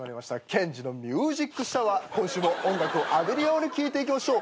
『ＫＥＮＪＩのミュージックシャワー』今週も音楽を浴びるように聴いていきましょう。